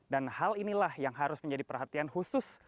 dan hal inilah yang harus menjadi perhatian khusus